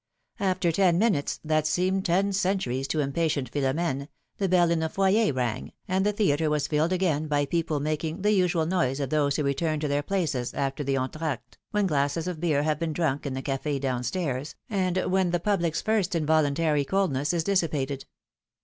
After ten minutes, that seemed ten centuries to impatient Philom^ne, the bell in the foyer rang, and the theatre w^as filled again by people making the usual noise of those who return to their places after the entr^adey when glasses of beer have been drunk in the cafe down stairs, and when the public's first involuntary coldness is dissipated.